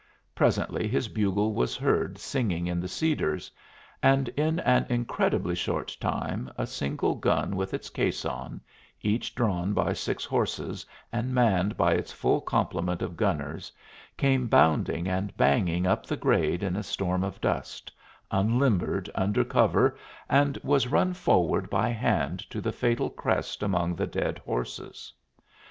Presently his bugle was heard singing in the cedars, and in an incredibly short time a single gun with its caisson, each drawn by six horses and manned by its full complement of gunners, came bounding and banging up the grade in a storm of dust, unlimbered under cover, and was run forward by hand to the fatal crest among the dead horses.